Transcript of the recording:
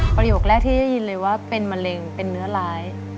ประโยคแรกที่ได้ยินเลยว่าเป็นมะเร็งเป็นเนื้อร้าย